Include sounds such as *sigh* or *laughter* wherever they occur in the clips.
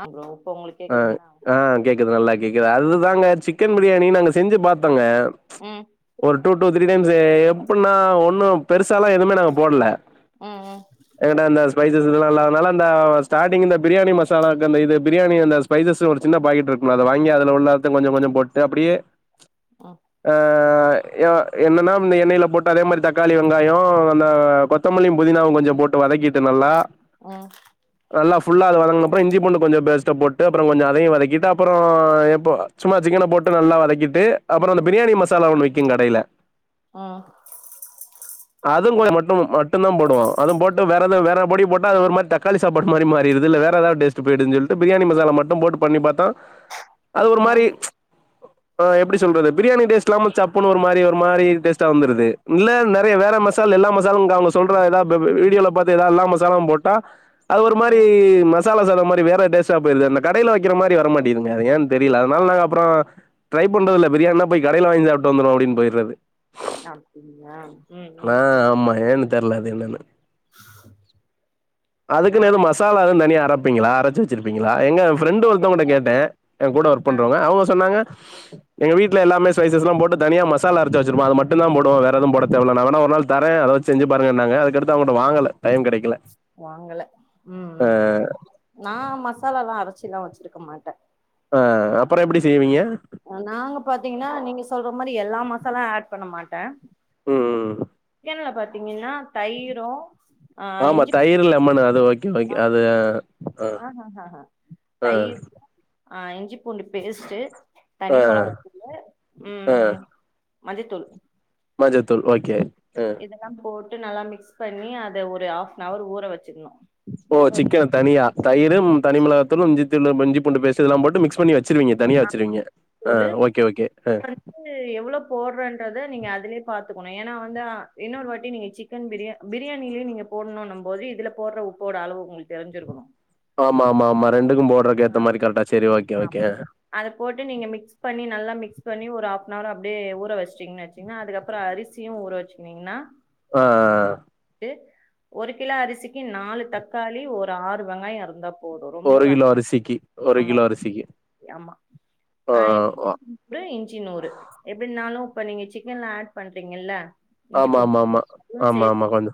ஆ ஃப்ரோ ஆ ஆ கேக்குது நல்லா கேக்குது அதுதாங்க சிக்கன் பிரியாணி நாங்க செஞ்சு பாத்தோங்க ம் ஒரு டூ டூ த்ரீ டைம்ஸு எப்புன்னா ஒண்ணு பெருசாலா எதுவுமே நாங்க போட்ல ம் எங்கட்ட அந்த பைசஸ் இல்லாதனால அந்த ஸ்டாட்டிங் இந்த பிரியாணி மசாலாக்கு அந்த இது பிரியாணிய இந்த ஸ்பைசஸ்ஸு ஒரு சின்ன பாக்கெட்டு இருக்குல்ல அத வாங்கி அதுல உள்ளத்த கொஞ்ச கொஞ்ச போட்டு அப்டியே ம் ம் ஆ ஆ அ யா என்னன்னா இந்த எண்ணெயில போட்டு அதே மாரி தக்காளி வெங்காயோ அந்த கொத்தமல்லியு புதினாவு கொஞ்ச போட் போட்டு வதக்கீட்டு நல்லா ம் நல்லா அது வதங்குனப்றோ இஞ்சி பூண்டு கொஞ்ச பேஸ்ட்ட போட் டு அப்பறோ கொஞ்ச அதையு வதக்கிட்டு அப்பறோ எப்போ சும்மா சிக்கன போட்டு நல்லா வதக்கிட்டு அப்பறோ அந்த பிரியாணி மசால் லா ஒன்னு விக்குங் கடையில ம் அதும் கூட மட்டு மட்டுந்தா போடுவோ அத போட்டு வேறது வேற பொடி போட்டா அது ஒரு மாரி தக்காளி சாப்பாடு மாரி மாறி இதுல வேற எதாவது டேஸ்ட்டு போயிடுஞ்சு சொல்ட்டு பிரியாணி மசாலா மட்டு போட்டு பண்ணி பாத்தா அது ஒரு ம் மாரி அ எப்டி சொல்றது பிரியாணி டேஸ்ட் இல்லாம சப்புன்னு ஒரு மாரி ஒரு மாரி டேஸ்ட்டா வந்துருது இல்ல நெறையா வேற மசால் இல்ல எல்லா மசாலும் கா அவுங்க சொல்ற எதா பெ பீ வீடியோல பாத்து எதா எல்லா மசாலாவும் போட்டா அது ஒரு மாரி ம் மசாலா சாதோ மாரி வேற டேஸ்ட்டா போயிருது அந்த கடையில வெக்கிற மாரி வரமாட்டேதுங்க அது ஏன் தெரியல அதனால நாங்க அப்றோ ட்ரை பண்றதுல்ல பிரியாணினா போய் கடையில வாங்கி சாப்ட்டு வந்துருவோ அப்டின்னு போய்றது சாப்டிங்ளா ம் ம் ம் து என்னன்னு நா அதுக்கு எதும் மசாலா எதுவுந் தனியா அரப் பிங்களா அரச்சு வச்சுருப்பீங்களா எங் ஃப்ரெண்டு ஒருத்தவுங்கிட்ட கேட்டே ஏ கூட ஒர்க் ஆ பண்றவங்க அவுங்க சொன்னாங்க எங்க வீட்ல எல்லாமே ஸ்பைஸஸ் எல்லா போட்டு தனியா மசா சாலா அரச்சு வச்சுருப்போ அத மட்டுந்தா போடுவோ வேற எதும் போட தேவல நா வேணா ஒரு நாள் தரே அத வச்சு செஞ்சு பாருங்கனாங்க அதுக்கு அடுத்து அவுங்கட்ட வாங்கல டைம் கெடைக்கல வாங்கல ம் அ ம் நா மசாலால்லா அரச்சுலா வச் சுக்க மாட்டே ஆ அப்பறோ எப்டி செய்வீங்க நாங்க பாத்தீங்கன்னா நீங்க சொல்ற மாரி எல்லா மசாலா ஆட் பண்ண மாட்டே ம் ம் ம் கீழ பாத்தீங்கன்னா தயிரு ஆ ஆமா இஞ்சி பூண்டு தயிரு லெமன்னு அது ஓகே ஓகே அது ஆ ஹ ஹ ஹ அ தயிர் ஆ இஞ்சி பூண்டு பேஸ்ட்டு தனி அ மொளகா தூளு அ ம் மஞ்சத்தூள் மஞ்சத்தூள் ஓகே அ ட்டு நல்லா மிக்ஸ் பண்ணி அத ஒரு ஹாஃப் நவர் ஊற வச்சுக்கணு ஓ ஊற சிக்கன் தனியா தயிரு தனிமிளகத்தூளு இஞ்சித்தூளு இஞ்சி பூண்டு பேஸ் இதெல்லா போட்டு மிக்ஸ் பண்ணி வச் ஆமா தூலு உ ஓகே ஆ அப்ரோ வந்து எவ்ளோ போட்றோன்றது நீங்க அதுலே பாத் த்துக்கொணு ஏனா வந்தா இன்னொர் வாட்டி நீங்க சிக்கன் பிரிய பிரியாணிலேயு நீங்க போட்ணுன்னும் போது இதுல போடுற உப்போ ஓட அளவு உங்களுக்கு தெரிஞ்சிருக்குணு ஆமா ஆமா ஆமா ரெண் ஆமா ஆமா அத போட்டு நீங்க மிக்ஸ் பண்ணி நல்லா மிக்ஸ் பண்ணி ஒரு ஆஃ நேரோ அப்டியே ஊற வஸ்ட்டீங்ன் நச்சீங்னா அதுக்கப்ரோ அரிசியு ஊர வச்சுகினிங்கனா ஆ அ ஒரு கிலோ அரிசிக்கு நாலு தக்காளி ஒரு ஆறு வெங்காயோ இருந்தா போது ரொம்ப வேணா சிக்கி ஒரு ஆமா கிலோ அரிசிக்கி ஆமா அ ஆ. *inaudible* இஞ்சி நூறு எப்டினாலு இப்ப நீங்க சிக்கன்ல ஆட் பண்றிங்கல்ல ஆமா ஆமா ஆமா ஆமா ஆமா கொஞ்சோ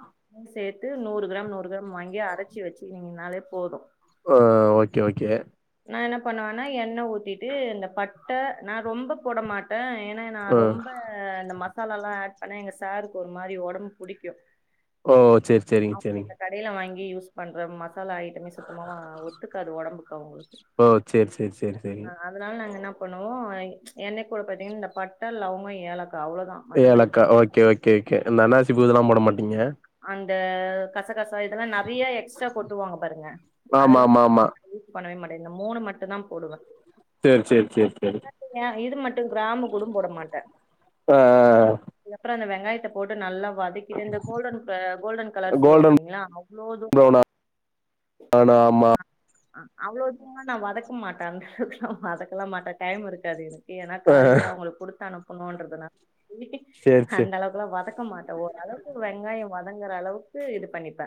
இது நூறு கிராம் நூறு கிராம் வாங்கி அரச்சி வச்சிகினீங்கனாலே போது ஒஅ ஓகே ஓகே நா என்ன பண்ணுவன்னா எண்ண ஊத்திட்டு இந்த பட்ட நா ரொம்பப் போட மாட்டே ஏனா நா ஆ ரொம்ப இந்த மசாலாலா ஆட் பண்ணா எங்க சாருக்கு ஒரு மாறி ஒடம்பு புடிக்கு ஓ சேரி சேரிங்க சேரிங்க கி யூஸ் பண்ற மசாலா ஐட்டமே சுத்தமாவா ஒத்துக்காது ஒடம்புக்கு அவுங்களுக்கு ஓ சேரி சேரி சேரி சேரி பண்ணுவோ என்னை கூட பாத்தீங் இந்த பட்ட லவங்கோ ஏலக்கா அவ்ளோதான் மத்தபடி ஏலக்கா ஓகே ஓகே ஓகே இந்த அன்னாசி பூ இதெல்லா போட மாட்டீங்க அந்த கசகசா இதெல்லா நா நறைய எக்ஸ்ட்ரா கோட்டுவாங்க பாருங்க ஆமா அதெல்லா ஆமா ஆமா யூஸ் பண்ணவே மாட்டே இந்த மூணு மட்டுதா போடுவே சேரி சேரி சேரி சேரி ஏ இது மட்டு கிராம கூடு போட மாடடே ப்ப அ வெங்காயத்த போட்டு நல்லா வதக்கிட்டு இந்த கோல்டன் ப்ப கோல்டன் கலர் சொல்லுவாங்க கோல்டன் இல்லைங்களா அவ்ளோ இது ப்ரௌன் ஆனா ஆமா ஆ ஆ அவ்ளோ தூரலா நா வதக்க மாட்டே அந்த அளவுக்குலா வதக்கலா மாட்டே டைம் இருக்காது என ஏன்னா ஆ காலேலே அவுங்களுக்கு குடுத்து அனுப்பனுன்றதுனா சேரி சேரி அந்த அளவுக்குலா வதக்க மாட்டோ ஓரளவுக்கு வெங்காயம் வதங்குற அளவுக்கு இது பண்ணிப்பே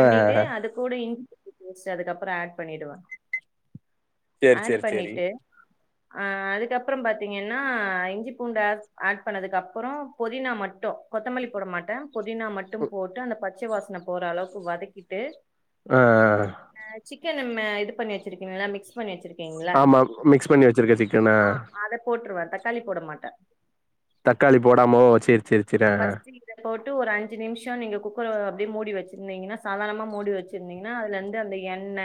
ஆ அது கூட இஞ்சிபூண்டு பேஸ்ட் அதுக்கப்ரோ ஆட் பண்ணிடுவே சேரி ஆட் சேரி சேரி பண்ணிட்டு ஆ அதுக்கப்பறம் பாத்தீங்கன்னா இஞ்சி பூண்டு அஸ் ஆட் பண்ணதுக்கு அப்ரோ புதினா மட்டு கொத்தமல்லி போட மாட்டே புதினா மட்டு போட்டு அந்த பச்ச வாசன போற அளவுக்கு வதக்கிட்டு அ அ க்க நம்ம இது பண்ணி வச்சி இருப்பிங்கலா மிக்ஸ் பண்ணி வச்சிரு ஆமா மிக்ஸ் பண்ணி வச்சிருக்க் சிக்கன ஆ அதை போட்டுருவேன் தக்காளி போட மாட்ட தக்காளி போடாமோ சேரி சேரி சேரி ஆ ஆ. ஃபஸ்ட்டு இத போட்டு ஒரு அஞ்சி நிமிஷ நீங்க குக்கர அப்டியே மூடி வச்சிருந்தீங்கன்னா சாதாரணமா மூடி வச்சிருந்தீங்கன்னா அதுல இருந்து அந்த எண்ண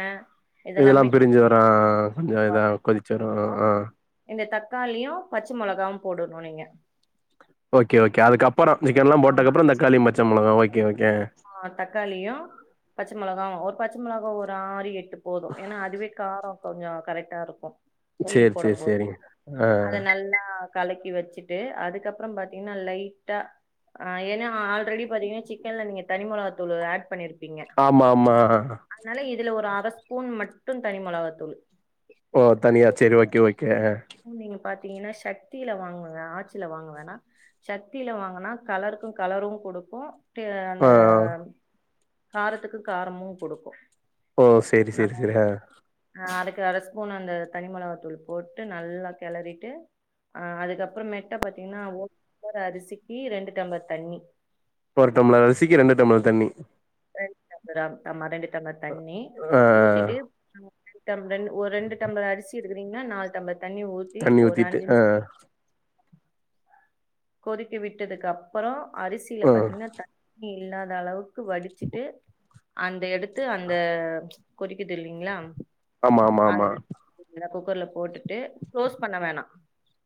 இதெல்லா பிரிஞ்சி வரா அஅ கொஞ்ச இதா கொதிச்சி வரு அ அ தக்காளியு பச்ச மொளகாவு போடணு நீங்க ஓகே ஓகே அதுக்கப் ஆமா *inaudible* ஓகே ஓகே தக்காளியு பச்ச மொளகாவு ஒத் பச்ச மிளகா ஒரு ஆறு எட்டு போது ஏன்னா அதுவே காரோ கொஞ்சோ கரெக்டா இருக்கு கீறி சேரி சேரி போடம் போது சேரிங்க ஆ அத நல்லா கலக்கி வச்சிட்டு அதுக்கப்ரோ பாத்தீங்கன்னா லைட்டா அ ஏன்னா ஆல்ரெடி பாத்தீங்கன்னா சிக்கன்ல நீங்க தனி மொளகாத்தூளு ஆட் பண்ணிருக் பிங்க ஆமா ஆமா அதனால இதுல ஒரு அர ஸ்பூன் மட்டு தனி மொளவாத்தூள் ஓ தனியா சேரி ஓகே ஓகே நீங்க பாத்தீங்கன்னா சக்தில வாங்குக ஆட்சில வாங்க வேன்னா சக்தில வாங்கனா கலருக்கும் கலர் கொடுக்கு அந்த ஆ காரத்துக்கு காரமு கொடுக்கு ஓ சேரி சேரி சேரி அ அரை ஸ்பூன் அந்த தனி மிளகாத்தூள் போட்டு நல்லா கெளறிட்டு அ அதுக்கப்ற மெட்டா பாத்தீங்கன்னா ஒரு டம்ப அரிசிக்கி ரெண்டு டம்ளர் தண்ணி ஒரு டம்ளர் அரிசிக்கி ரெண்டு டம்ளர் தண்ணி அப்றம் ஆமா ரெண்டு டம்ளர் தண்ணி ஆ ஊத்திட்டு ஒரு ரெண்டு டம்ளர் அரிசி எடுக்குறீங்கனா நாலு டம்பளர் தண்ணி ஊத்தி தண்ணி ஓர் ஊத்திட்டு ஐஞ்ச் ஆ நிமிஷ கொதிக்கி விட்டதுக்கு அப்பற அரிசில ஆ பாத்தீங்கன்னா தண்ணி இல்லாத அளவுக் வடிச்சுட்டு அந்த எடுத்து அந்த கொதிக்குது இல்லிங்களா ஆமா ஆமா ஆமா குக்கர்ல போட்டுட்டு க்ளோஸ் பண்ண வேணா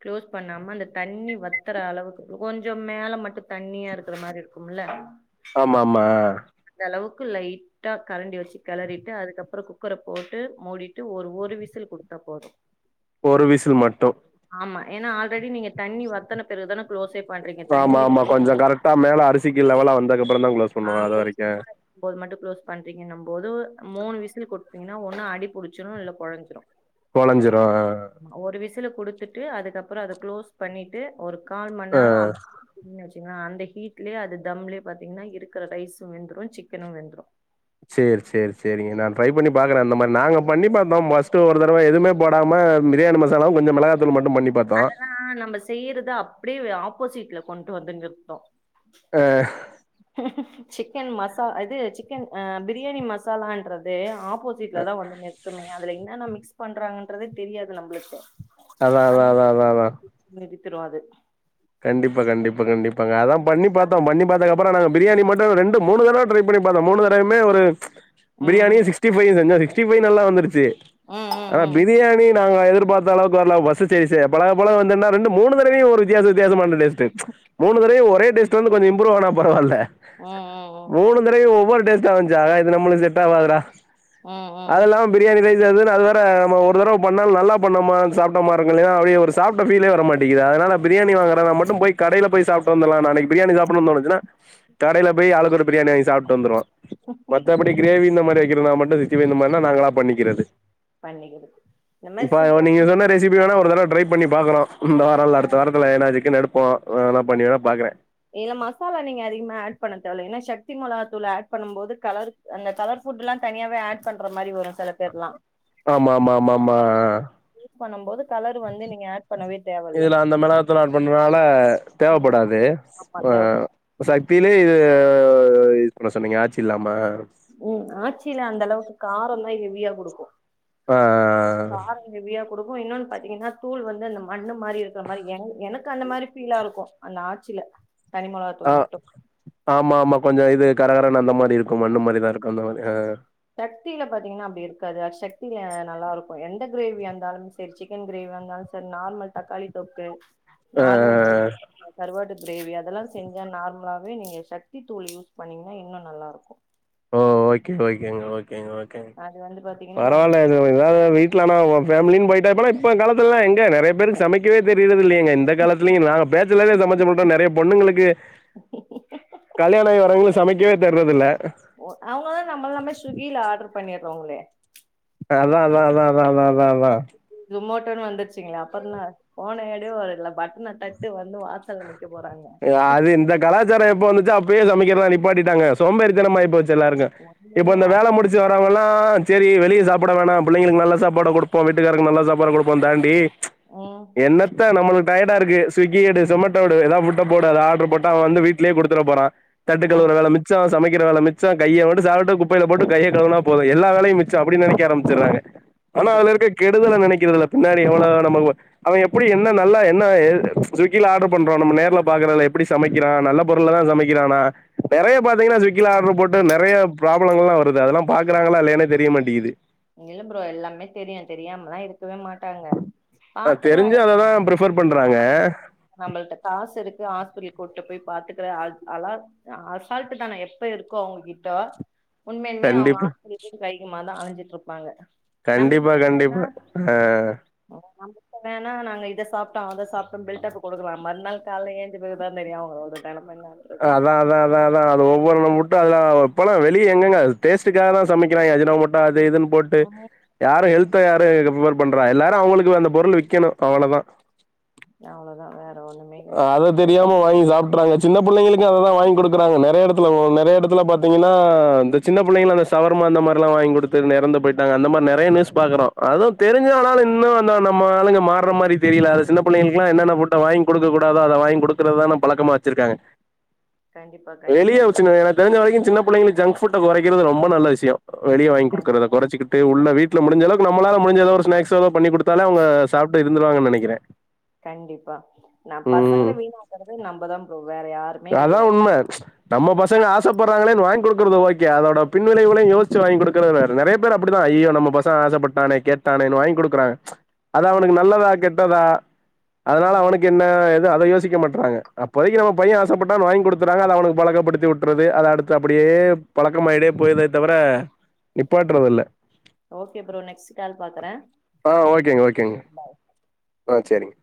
க்ளோஸ் பண்ணாம அந்த தண்ணி வத் உனத்ற அளவுக்கு கொஞ்ச மேல மட்டு தண்ணியா இருக்கிற மாரி இருக்கும்ல ஆமா ஆமா அந்த அளவுக்கு லைட்டா கரண்டி வச்சு கெளறிட்டு அதுக்கப்புற குக்கரை போட்டு மூடிட்டு ஒரு ஒரு விசில் குடுத்தா போதும் ஒரு விசில் மட்டு ஆமா ஏன்னா ஆல்ரெடி நீங்க தண்ணி வத்தன பிறகுதான க்ளோஸே பண்றீங்க தண்ணி ஆமா ஆமா இருக்கும் போ கொஞ்ச கரெட்டா மேல அரிசிக்கு லெவெல்லா வந்தக்கு அப் ஆ *inaudible* மட்டு குளோஸ் பண்றீங்கங்கும் போது மூணு விசில் கொடுத்திங்னா ஒண்ணு அடிப் புடிச்சிரு இல்ல கொழஞ்சிரு கொழஞ்சிரு விசுல கொடுத்துட்டு அதுக்கப்புற அத க்ளோஸ் பண்ணிட்டு ஒரு கால் ஆ மண்நேர அந்த ஹீட்லயே அது தம்லே பாத்தீங்கனா இருக்கிற ரைஸும் வெந்துரு சிக்கனு வெந்துரு சேரி சேரி சேரிங்க நா ட்ரை பண்ணி பாக்குறே அந்த மாரி நாங்க பண்ணி பாத்தோ பஸ்ட்டு ஒரு தடவை எதுமே போடாம பிரியாணி மசாலாவு கொஞ்ச மெளகாத்தூள் மட்டு பண்ணி பாத்தோ அதெல்லா நம்ம செய்யறத அப்டியே ஆப்போசிட்ல கொண்டு வந்து நிறுத்து ஆஹ் சிக்கன் மசா இது சிக்கன் அ பிரியாணி மசாலான்றதே ஆப் ஆப்போசிட்லதா வந்து நிற்த்துமே அதுல என்னென்ன மிக்ஸ் பண்றாங்கன்றதே தெரியாது நம்ளுக்கு அதா அதா அதா அதா அதா வித்று அது கண்டிப்பா கண்டிப்பா கண்டிப்பாங்க அதா பண்ணி பாத்தோ ஆனா பண்ணி பாத்தக்கப்புற நாங்க பிரியாணி மட்டு ரெண்டு மூணு தடவை ட்ரை பண்ணி பாத்தோ மூனு தடவுமே ஒரு ம் பிரியாணியு சிக்ஸ்டிஃவையு செஞ்சோ சிக்ஸ்டிஃவை நல்லா வந்துருச்சு ம் ம் ஆனா ம் பிரியாணி நாங்க எதிர்பாத்த அளவுக்கு வர்ல பசுச்சுருச்சு பழக பழக வந்துர்ந்தா ரெண்டு மூனு தடவையு ஒரு வித்தியாச மான டேஸ்ட் மூனு தடவயு ஒரே டேஸ்ட் வந்து கொஞ்ச இம்ப்ரூ ஆனா பரவால்ல ம்‌‌ ம் ம் டேஸ்டா வந்ச்சு ஆ இது நம்ளுக்கு செட் ஆவாதுடா ம் ம் ம் அது இல்லாம பிரியாணி ரைஸ் அது வேற ஒரு தரவ பண்ணாலு நல்லா பண்ணமா சாப்டமா இருக்கு இல்லியா அவிங்க ஒரு சாப்ட ஃபீலே வர மாட்டிகிது அதனால பிரியாணி மீன் வாங்கறன் மட்டு போய் கடைல போய் சாப்டு வந்துர்லா நாளைக்கு பிரியாணி சாப்பிடும்னு தோனுச்சினா கடைல போய் ஆளுக்கு ஒரு பிரியாணி வாங்கி சாப்பிட்டு வந்துருவோ மத்தபடி கிரேவி இந்த மாதிரி இருந்தா மட்டு சித்தி *unintelligible* நாங்களா பண்ணிக்கிறது பண்ணிக்கிடு இப்ப நீங்க சொன்ன ரெசிபி வேணா ஒரு தட ட்ரை பண்ணி பாக்கறோ இந்த வாரம்ல அடுத்த வாரத்துல இதுக்குனு எடுப்போ இல்ல மசாலா நீங்க அதிகமா ஆட் பண்ண தேவல ஷட் சத்தி மிளாத்தூள் ஆட் பண்ணும்போது கலர் அந்த கலர் ஃபுட்லா எல்லா தனியாவே ஆட் பண்ற மாரி வரு சில பேர்லா ஆமா ஆமா ஆமா ஆமா யூஸ் பண்ணும் போது கலர் வந்து நீங்க ஆட் பண்ணவே தேவல்ல இதுல அந்த மிளகாத்தூள் ஆட் பண்றனால ம் தேவப்படாது ஆமா ஆ தேவப்படு சக் ப்பிலயே இது அ பண்ண சொன்னீங்க ஆச்சி இல்லாம உம் ஆச்சியில அந்த அளவுக்கு காரந்தா ஹெவியா குடுக்கு ஆ அ அ ஹ குடுக்கு இன்னொன்னு பாத்தீங்கன்னா தூள் வந்து அந்த மண்ணு மாரி இருக்கற மாரி எனக்கு அந்த மாரி ஃபீலா இருக்கு அந்த ஆச்சில தனி ஆ மொளகாத்தூள் மட்டும் ஆமா ஆமா கொஞ்ச இது கரகரன்னு அந்த மாரி இருக்கும் மண்ணு மாரிதா இருக்கும் அந்த மாரி ஆ சக்தில பாத்தீங்கன்னா அப்டி இருக்காது சக்தில நல்லா இருக்கு எந்த கிரேவியா இருந்தாலு செரி சிக்கன் கிரேவி வந்தாலு செரி நார்மல் தக்காளி தொக்கு ஆ நார்மல் சிக்கன் கருவாடு கிரேவி அதெல்லா செஞ்சா நார்மலாவே நீங்க சக்தி தூள் யூஸ் பண்ணீங்கன்னா இன்னு நல்லா இருக்கு ஓ ஓகே ஓகேங்க ஓகேங்க ஓகே அது வந்து பாத்தீங்கன்னா பரவாயில்ல எதாவது வீட்லனா ஃபேம்லினு போயிட்டா இப்பவே இப்ப காலத்திலல்லா எங்க நெறைய பேருக்கு சமைக்கவே தெரிற்றது இல்லீங்க இந்த காலத்துலயு நாங்க பேச்லரே ச மூச்சு முட்டு நெறைய பொண்ணுங்ளுக்கு கல்யாண ஆயி வரவங்களு சமைக்கவே தெர்றதில்ல அவுங்கதா நம்மல்லாமே ஸ்விக்கில ஆர்டர் பண்ணிடுறோங்ளே அதா அதா அதா அதா அதா அதா அதா ஜூமோட்டோன்னு வந்துருச்சுங்களே அப்பறம் தா ஃபோன எடு ஒரு இதுல பட்டன தட்டு வந்து வாசல்ல நிக்க போறாங்க அது இந்த கலாச்சாரோ எப்போ வந்துச்சோ அப் இப்பயே சமைக்கிறதெல்லா நிப்பாட்டிட்டாங்க சோம்பேரித்தனமாய் போச்சு எல்லாருக்கு ஒண்ணுமே இப்ப இந்த வேல முடுச்சு வரவங்கெல்லா செரி வெளிய சாப்பட வேணா பிள்ளைளுக்கு நல்ல சாப்பாடா குடுப்போம வீட்டுக்காருக்கு நல்லா சாப்பாடு குடுப்போ தாண்டி ம் என்னத்த நம்ளுக்கு டயடா இருக்கு ஸ்விக்கி எடு சொமொட் ட்டா எடு எதாது ஃபிட்ட போடு அத ஆட்ரு போட்டு அவன் வந்து வீட்லயே குடுத்துட போறான் தட்டு ம் கழுவுர வேல மிச்சம் சமைக் க்கிற வேல மிச்சோ கைய வந்து சாப்பட்டு குப்பைல போட்டு கைய கழுவுனா போது எல்லா வேலையு மிச்சோ அப்டி நெனைக்க ஆரம்பச்சிற்றாங்க ஆனா கண்டிப்பா அதுல இருக்க கெட் டத நெனைக்கிறதில்ல பின்னாடி எவ்ளோ நமக்கு அவ எப்டி என்ன நல்லா என்ன ஏது ஸ்விக்கில ஆட்ரு போ பண்றோ நம்ம நேர்ல பாக்றதில்ல எப்படி சமைக்கிறான் நல்ல ம் பொருள தா சமைக்கிறானா நெறைய ம் பாத்தீங்கன்னா ஸ்விக்கில ஆட்ரு போட்டு நெறைய ப்ராப்ளம் எல்லா வருது அதெல்லா பாக்றாங்ளா இல்லையானே தெரிய மாட்டிங்குது இல்ல ப்ரோ எல்லாமே தெரியு தெரியாமலா இருக்கவே மாட்டாங்க ஆ பாத்துக்கலா தெரிஞ்சு என் அததா ப்ரிஃபர் பண்றாங்க நம்மள்ட்ட காசு இருக்கு ஹாஸ்பிட் கூட்டுபோய் பாத்துக்கற அது அலா அசால்ட்டுதன எப்ப இருக்கோ அவங்ககிட்டோ உண்மையலுமே அவுங்க ஆ கண்டிப்பா போனு கைகுமா தா அழஞ்சிட்ருப்பாங்க கண்டிப்பா கண்டிப்பா ஆ வேணானா நாங்க இத சாப்பிட்டோ அத சாப்ட்டோ பில்டப் கொடுக்கலா மறு நாள் கால்ல எழுஞ்சுகிறப்பதான தெரியு அவங்களோட டை அதா அதா அதா அதா அது ஒவ்வொரு முட் டாள்தா வெளிய எங்கங்க அது டேஸ்டக்காக தா சமைக்கிறாங்க அஜினமோட்டோ அது இதுன்னு போட்டு ம் யாரு ஹெல்த் த யாரு ப்ரிவர் பண்றா எல்லாரு அவங்களுக்கு அந்த பொருள் விக்கணு அவ்ளோதா அவ்ளோதா வேற ஒண்ணுமே இல்ல அத அதுப்ப தெரியாம வாங்கி சாப்பிட்றாங்க சின்ன புள்ளைங்களுக்கு அததா வாங்கி குடுக்குறாங்க நெறைய எடத் துல நெறைய எடத்துல பாத்தீங்கன்னா இந்த சின்ன புள்ளைங்க அந்த சவர்மா அந்த மாரில்லா வாங்கி குடுத்து ன்னு எறந்து போயிட்டாங்க அந்த மாரி நெறைய நியூஸ் பாக்குறோ அது தெரிஞ்சு அனாலு இன்னு அந்த நம்ம ஆளுங்க மார்ற மாரி தெரில அது சின்ன புள்ளங்களுக்கல்லா என்னென்ன ஃபுட்ட வாங்கி குடுக்க கூடாதோ அத வாங்கி குடுக்கறதான பழக்கமா வச்சிருக்காங்க கண்டிப்பா கண்டிப்பா வெளிய ப்ரோ வச்சுற்னு எனக்கு தெரிஞ்ச வரைக்கு சின்ன புள்ளைங்களு ஜங்க் ஃபுட்ட கொறைக்கிறது ரொம்ப நல்ல விஷய வெளிய வாங் குடுக்குறத கொறைச்சிகிட்டு உள்ள கண்டிப்பா வீட்ல முடிஞ்ச அளவுக்கு நம்மலால முஞ்ச ஏதோ ஒரு ஸ்னாக்ஸ்ஸோ ஏதோ பண்ணி குடுத் தாலே அவுங்க சாப்ட்டு இருந்துருவாங்கன்னு நெனைக்கிறே கண்டிப்பா நா பசங்கள வீணாக்குறத நம்மதா ப்ரோ வேற யாருமே அதா கெடையாது உண்ம நம்ம பசங்க ஆசப்படுறாங்களேன்னு வாங் கொடுக்கறது ஓகே அதோட பின் விளைவுகளையு யோசிச்சு வாங்கி குடுக்குறதாரு நெறைய பேர் அப்டிதா ஐயோ நம்ம பசங் ஆசப்பட்டானே கேட்டானேன்னு வாங்கி கொடுக்குறாங்க அது அவனுக்கு ம் நல்லதா கெட்டதா அதனால அவனுக்கு ம் என்ன ஏது அத யோசிக்க மாட்றாங்க அப்போதைக்கு நம்ம பைய ஆசைப்பட்டான்னு வாங் கொடுத்தறாங்க அத அவனுக்கு பழக்கப்படுத்தி உட்டுறது அது அடுத்து அப்டியே பழக்கமாய்ட்டே போய்ருதே தவர அ நிப்பாட்றது இல்ல ஓகே ப்ரோ நெக்ஸ்ட் கால் பாக்குறே ஆ ஓகேங்க ஓகேங்க ஆ சேரிங்